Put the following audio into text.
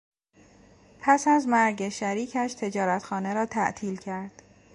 پس از مرگ شریکش تجارتخانه را تعطیل کرد.